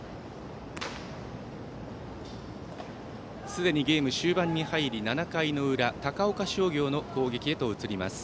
すでにゲームは終盤に入り７回の裏高岡商業の攻撃へ移ります。